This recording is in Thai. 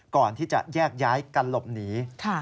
ก่อนที่จะแยกย้ายกันหลบหนี